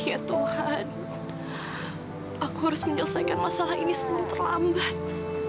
ya tuhan aku harus menyelesaikan masalah ini sebelum terlambat